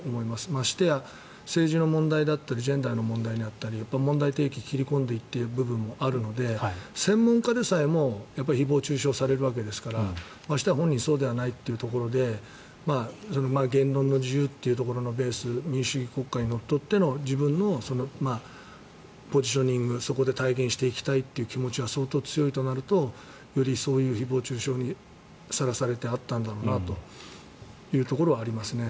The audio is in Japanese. ましてや政治の問題だったりジェンダーの問題だったり問題提起、切り込んでいっている部分もあるので専門家でさえも誹謗・中傷されるわけですからましてや本人そうではないというところで言論の自由というところのベース民主主義国家にのっとっての自分のポジショニングそこで体現していきたいという気持ちが相当強いとなるとよりそういう誹謗・中傷にさらされていたんだろうなというところはありますね。